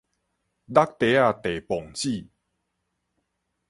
橐袋仔袋磅子